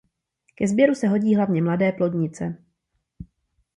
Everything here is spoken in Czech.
Ke sběru se hodí hlavně mladé plodnice.